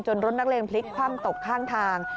รถนักเลงพลิกคว่ำตกข้างทาง